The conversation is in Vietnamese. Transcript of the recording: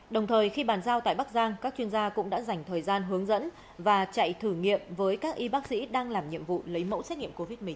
đồng thời khi bàn giao tại bắc giang các chuyên gia cũng đã dành thời gian hướng dẫn và chạy thử nghiệm với các y bác sĩ đang làm nhiệm vụ lấy mẫu xét nghiệm covid một mươi chín